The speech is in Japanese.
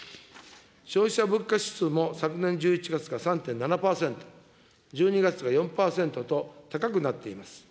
消費者物価指数も昨年１１月が３．７％、１２月が４％と高くなっています。